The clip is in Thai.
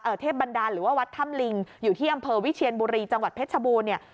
เทพบันดาลหรือว่าวัดถ้ำลิงอยู่ที่อำเภอวิเชียนบุรีจังหวัดเพชรชบูรณเนี่ย